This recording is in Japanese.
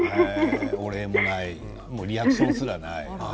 お礼もないリアクションすらない。